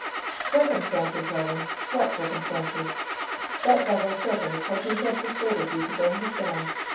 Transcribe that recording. "Circumstances, Roland? What circumstances? That devil. Silver, told me he had persuaded you to join his band.